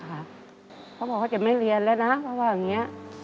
เขาบอกเขาจะไม่เรียนแล้วนะเพราะว่าอย่างนี้